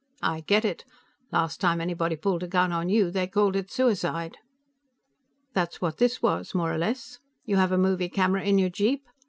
"I get it. Last time anybody pulled a gun on you, they called it suicide." "That's what this was, more or less. You have a movie camera in your jeep?